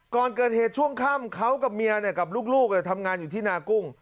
ก่อนเกิดเหตุช่วงค่ำเขากับเมียกับลูกทำงานอยู่ที่นากุ้ง